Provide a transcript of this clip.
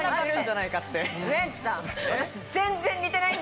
ウエンツさん